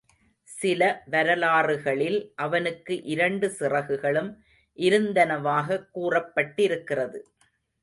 சில வரலாறுகளில் அவனுக்கு இரண்டு சிறகுகளும் இருந்தனவாகக் கூறப்பட்டிருக்கிறது.